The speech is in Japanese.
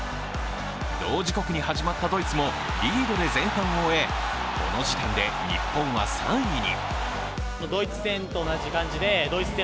同時刻に始まったドイツもリードを前半を終え、この時点で日本は３位に。